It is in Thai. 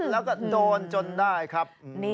แล้วก็โดนจนได้ครับ